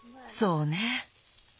そうね。